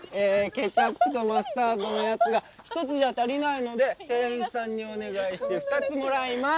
ケチャップとマスタードのやつが１つじゃ足りないので店員さんにお願いして２つもらいます。